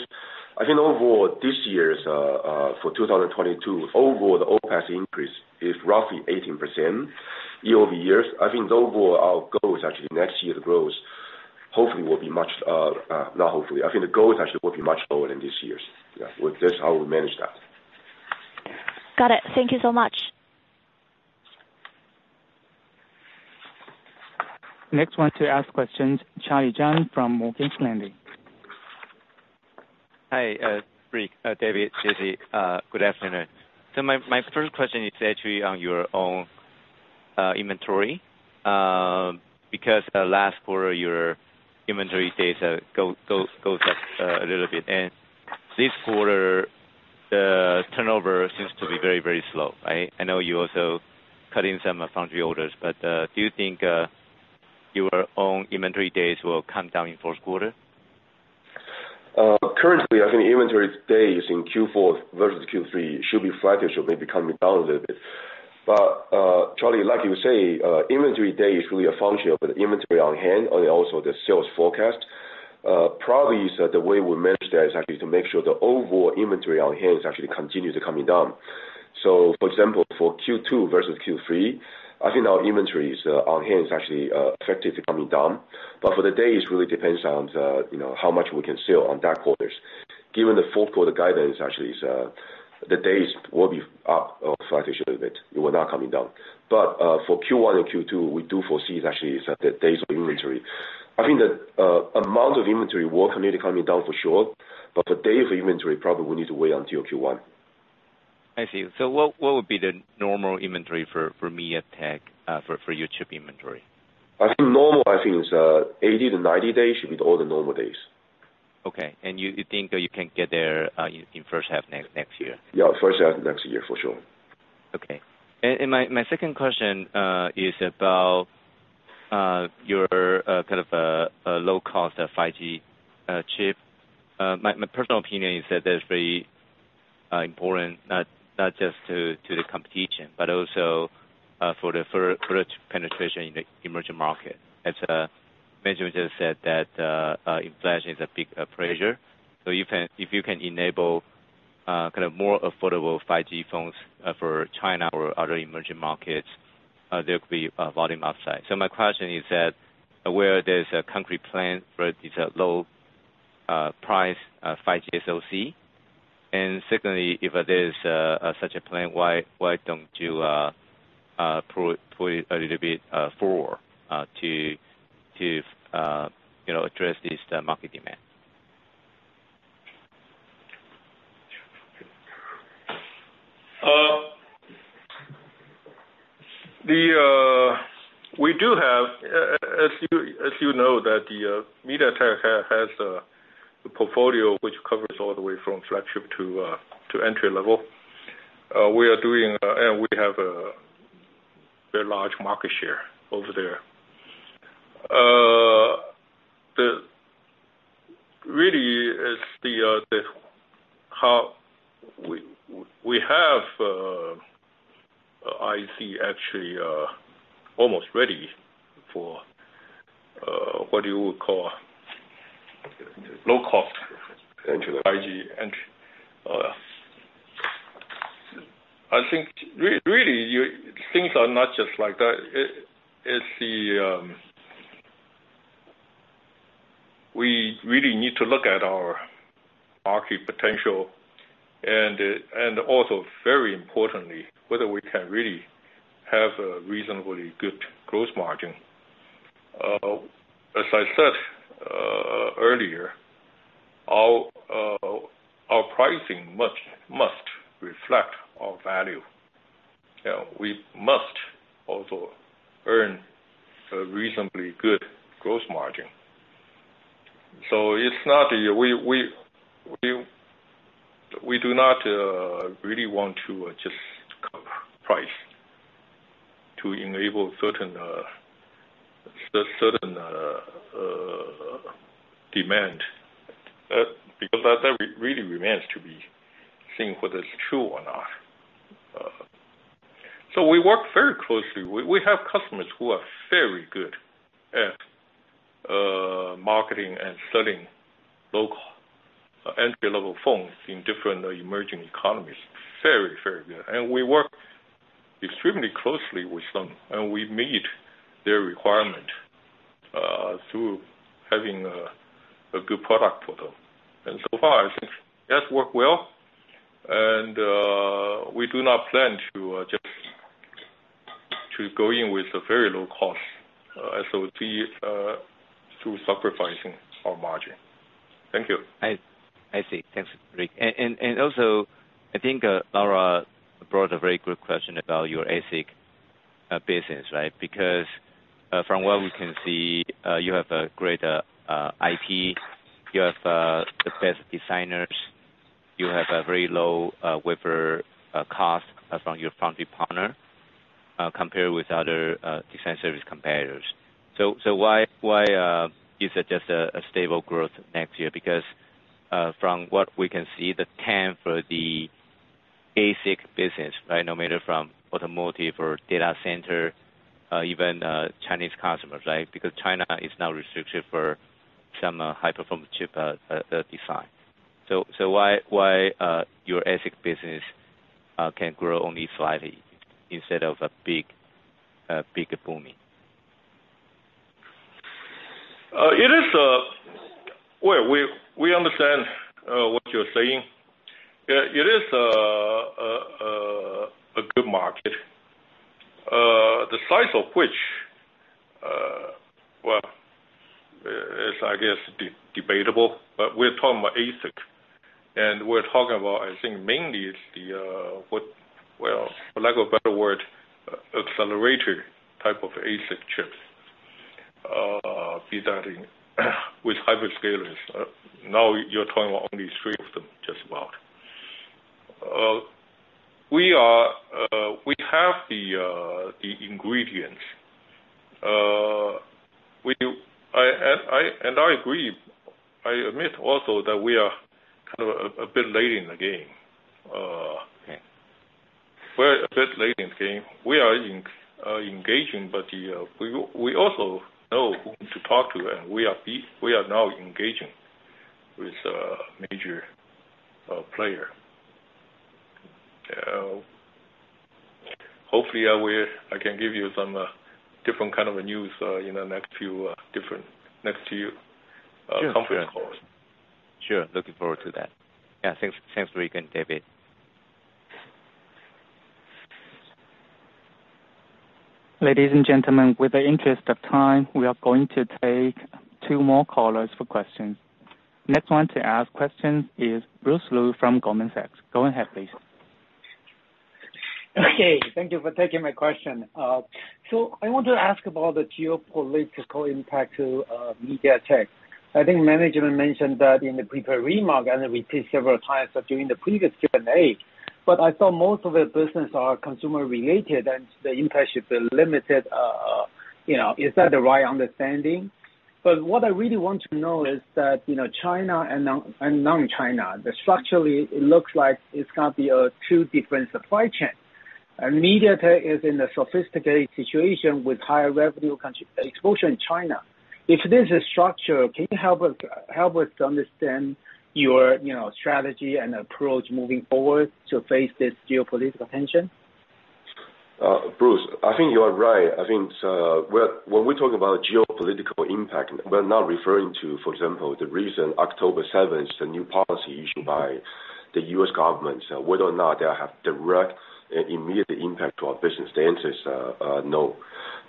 I think overall this year's for 2022, overall the OpEX increase is roughly 18% YoY. I think the overall our goal is actually next year the growth will be much lower than this year's. Yeah. With this, how we manage that. Got it. Thank you so much. Next one to ask questions, Charlie Chan from Morgan Stanley. Hi, Rick, David, Jessie. Good afternoon. My first question is actually on your own inventory, because last quarter your inventory days goes up a little bit. This quarter, the turnover seems to be very, very slow, right? I know you're also cutting some foundry orders, but do you think your own inventory days will come down in fourth quarter? Currently, I think inventory days in Q4 versus Q3 should be flat or should maybe coming down a little bit. Charlie, like you say, inventory day is really a function of the inventory on hand and also the sales forecast. Probably the way we manage that is actually to make sure the overall inventory on hand is actually continues coming down. For example, for Q2 versus Q3, I think our inventories on hand is actually expected to coming down. For the days, really depends on the, you know, how much we can sell in those quarters. Given the fourth quarter guidance actually is, the days will be up or flat-ish a little bit. It will not coming down. For Q1 and Q2, we do foresee is actually the days of inventory. I think the amount of inventory will continue coming down for sure, but the days of inventory probably need to wait until Q1. I see. What would be the normal inventory for MediaTek for your chip inventory? I think it's 80-90 days should be all the normal days. Okay. You think that you can get there in first half next year? Yeah, first half of next year for sure. Okay. My second question is about your kind of low cost 5G chip. My personal opinion is that that's very important, not just to the competition, but also for the further penetration in the emerging market. As mentioned, we just said that inflation is a big pressure. If you can enable kind of more affordable 5G phones for China or other emerging markets, there could be a volume upside. My question is there a concrete plan for this low price 5G SoC. Secondly, if there is such a plan, why don't you pull it a little bit forward to, you know, address the market demand? We do have, as you know, that MediaTek has a portfolio which covers all the way from flagship to entry-level. We are doing and we have a large market share over there. The real is how we have IC actually almost ready for what you would call low cost. Entry-level. 5G entry. I think really things are not just like that. We really need to look at our market potential and also very importantly, whether we can really have a reasonably good gross margin. As I said earlier, our pricing must reflect our value. You know, we must also earn a reasonably good gross margin. It's not. We do not really want to just cut price to enable certain demand because that really remains to be seen whether it's true or not. We work very closely. We have customers who are very good at marketing and selling local entry-level phones in different emerging economies. Very, very good. We work extremely closely with them, and we meet their requirement through having a good product for them. We do not plan to just go in with a very low cost SoC through sacrificing our margin. Thank you. I see. Thanks, Rick. Also, I think Laura brought a very good question about your ASIC business, right? Because from what we can see, you have a greater IP. You have the best designers. You have a very low wafer cost from your foundry partner compared with other design service competitors. Why is it just a stable growth next year? Because from what we can see, the TAM for the ASIC business, right? No matter from automotive or data center, even Chinese customers, right? Because China is now restricted for some high performance chip design. Why your ASIC business can grow only slightly instead of a big booming? Well, we understand what you're saying. It is a good market. The size of which, well, is I guess debatable, but we're talking about ASIC. We're talking about I think mainly it's the accelerator type of ASIC chips, be that in with hyperscalers. Now you're talking about only three of them, just about. We have the ingredients. I agree. I admit also that we are kind of a bit late in the game. We're a bit late in the game. We are engaging, but we also know who to talk to. We are now engaging with a major player. Hopefully, I can give you some different kind of news in the next few conference calls. Sure. Looking forward to that. Yeah. Thanks, thanks, Rick and David. Ladies and gentlemen, in the interest of time, we are going to take two more callers for questions. Next one to ask questions is Bruce Lu from Goldman Sachs. Go ahead, please. Okay, thank you for taking my question. So I want to ask about the geopolitical impact to MediaTek. I think management mentioned that in the prepared remark, and then we see several times that during the previous Q&A. But I saw most of the business are consumer related and the impact should be limited. You know, is that the right understanding? But what I really want to know is that, you know, China and non-China, structurally it looks like it's gonna be a two different supply chain. And MediaTek is in a sophisticated situation with higher revenue country exposure in China. If this is structural, can you help us understand your, you know, strategy and approach moving forward to face this geopolitical tension? Bruce, I think you are right. I think, well, when we talk about geopolitical impact, we're not referring to, for example, the recent October 7th, the new policy issued by the U.S. government, whether or not they'll have direct and immediate impact to our business. The answer is, no.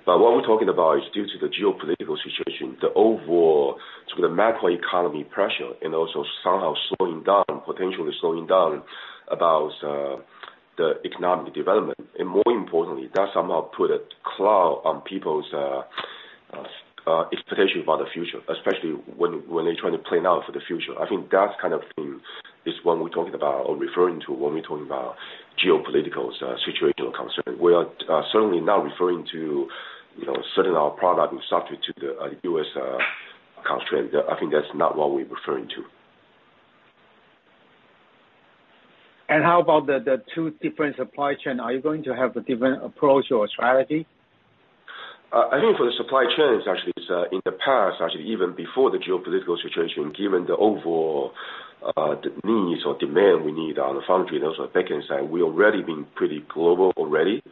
But what we're talking about is due to the geopolitical situation, the overall sort of macro economy pressure and also somehow slowing down, potentially slowing down about, the economic development. More importantly, that somehow put a cloud on people's, expectation about the future, especially when they're trying to plan out for the future. I think that's kind of thing is when we're talking about or referring to geopolitical situation or concern. We are certainly not referring to, you know, certain of our products are subject to the U.S. constraint. I think that's not what we're referring to. How about the two different supply chain? Are you going to have a different approach or strategy? I think for the supply chains, actually, it's in the past, actually even before the geopolitical situation, given the overall needs or demand we need on the foundry and also the backend side, we already been pretty global already.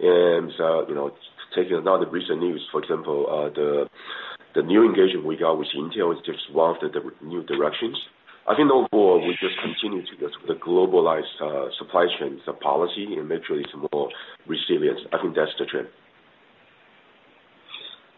You know, taking another recent news, for example, the new engagement we got with Intel is just one of the new directions. I think overall we just continue to strengthen the globalized supply chains and policy and make sure it's more resilient. I think that's the trend.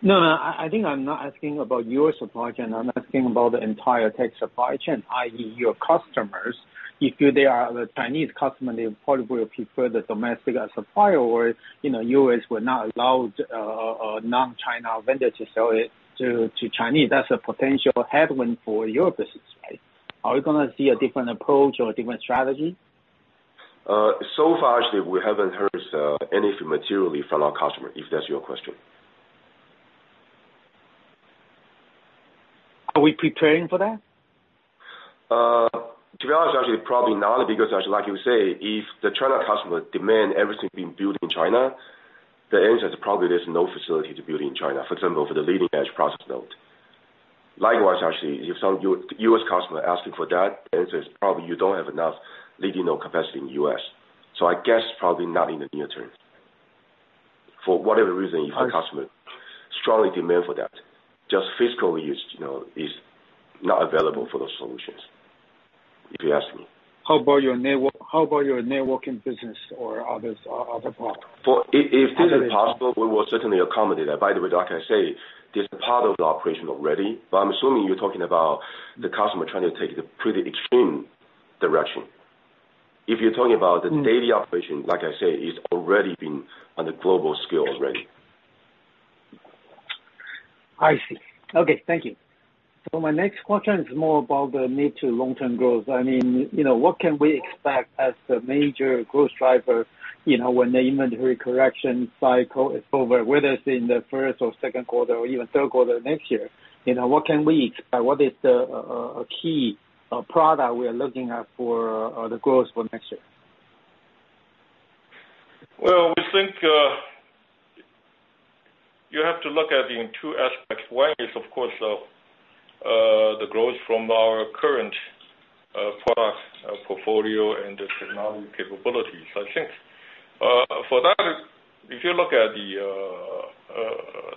No, I think I'm not asking about your supply chain. I'm asking about the entire tech supply chain, i.e. your customers. If they are a Chinese customer, they probably will prefer the domestic supplier or, you know, U.S. will not allow a non-China vendor to sell it to Chinese. That's a potential headwind for your business, right? Are we gonna see a different approach or a different strategy? So far actually we haven't heard anything materially from our customer, if that's your question. Are we preparing for that? To be honest, actually, probably not, because actually, like you say, if the Chinese customer demand everything being built in China, the answer is probably there's no facility to build in China, for example, for the leading-edge process node. Likewise, actually, if some U.S. customer asking for that, the answer is probably you don't have enough leading-edge node capacity in the U.S. I guess probably not in the near term. For whatever reason, if our customer strongly demand for that, just physically what we used to know is not available for those solutions, if you ask me. How about your networking business or others, other product? If it is possible, we will certainly accommodate that. By the way, like I say, this is part of the operation already. I'm assuming you're talking about the customer trying to take the pretty extreme direction. If you're talking about the daily operation, like I said, it's already been on the global scale already. I see. Okay. Thank you. My next question is more about the mid to long-term growth. I mean, you know, what can we expect as the major growth driver, you know, when the inventory correction cycle is over, whether it's in the first or second quarter or even third quarter next year? You know, what can we expect? What is the key product we are looking at for the growth for next year? Well, we think you have to look at it in two aspects. One is, of course, the growth from our current product portfolio and the technology capabilities. I think, for that, if you look at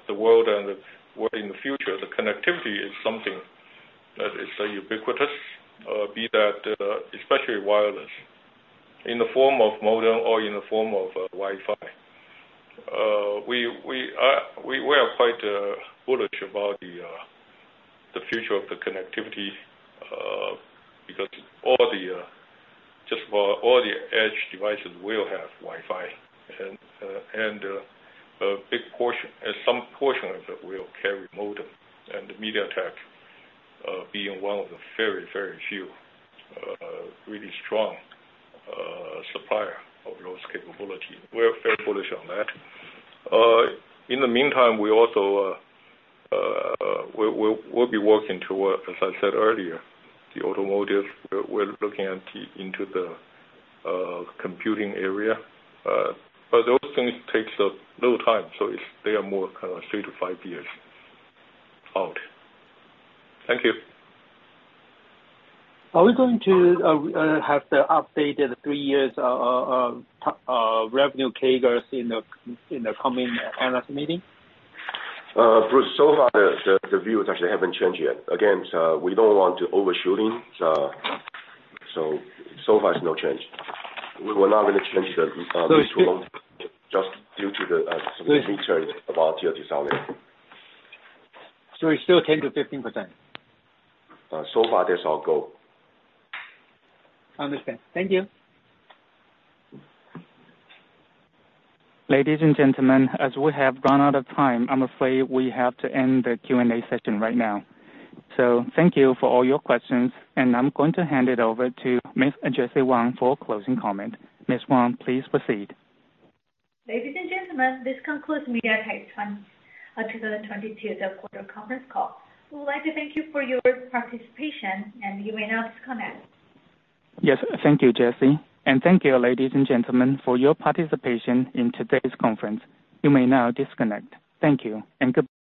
the world and where in the future, the connectivity is something that is ubiquitous, be that, especially wireless, in the form of modem or in the form of Wi-Fi. We are quite bullish about the future of the connectivity, because just about all the edge devices will have Wi-Fi and a big portion, some portion of it will carry modem. MediaTek being one of the very few really strong supplier of those capability. We're very bullish on that. In the meantime, we also will be working toward, as I said earlier, the automotive. We're looking into the computing area, but those things takes a little time, so they are more kind of three-five years out. Thank you. Are we going to have the updated three-year revenue CAGRs in the coming analyst meeting? Bruce, so far, the views actually haven't changed yet. Again, we don't want to overshooting, so far it's no change. We were not gonna change the view just due to some of the concerns about geopolitical. It's still 10%-15%? So far, that's our goal. Understand. Thank you. Ladies and gentlemen, as we have run out of time, I'm afraid we have to end the Q&A session right now. Thank you for all your questions, and I'm going to hand it over to Miss Jessie Wang for closing comment. Miss Wang, please proceed. Ladies and gentlemen, this concludes MediaTek's 2022 fourth quarter conference call. We would like to thank you for your participation, and you may now disconnect. Yes. Thank you, Jessie. Thank you, ladies and gentlemen, for your participation in today's conference. You may now disconnect. Thank you and good-